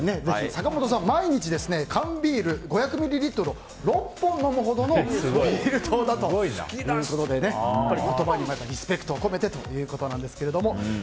坂本さんは毎日缶ビール５００ミリリットルを６本飲むほどのビール党だということで言葉にもリスペクトを込めてということですけども。